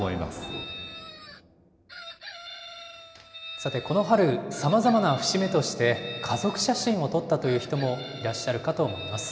さて、この春、さまざまな節目として、家族写真を撮ったという人もいらっしゃるかと思います。